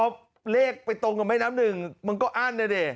พอเลขไปตรงกับแม่น้ำหนึ่งมันก็อั้นนะดิ